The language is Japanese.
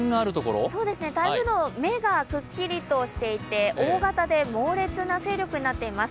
台風の目がくっきりとしていて大型で猛烈な勢力になっています。